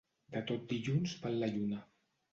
De tot dilluns val la lluna.